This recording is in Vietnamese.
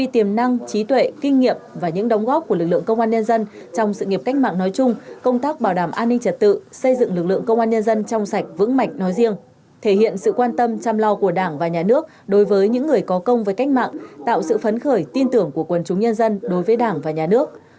tiềm năng trí tuệ kinh nghiệm và những đóng góp của lực lượng công an nhân dân trong sự nghiệp cách mạng nói chung công tác bảo đảm an ninh trật tự xây dựng lực lượng công an nhân dân trong sạch vững mạnh nói riêng thể hiện sự quan tâm chăm lo của đảng và nhà nước đối với những người có công với cách mạng tạo sự phấn khởi tin tưởng của quần chúng nhân dân đối với đảng và nhà nước